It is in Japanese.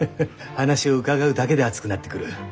話を伺うだけで熱くなってくる。